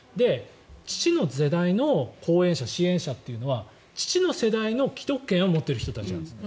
父の世代の後援者、支援者というのは父の世代の既得権を持っている人たちなんです。